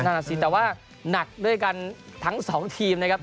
น่าสิแต่ว่าหนักด้วยกันทั้ง๒ทีมนะครับ